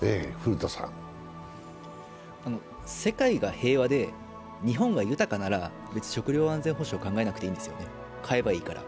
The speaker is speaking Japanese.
世界が平和で日本が豊かなら食料安全保障は考えなくていいんですよ、買えばいいから。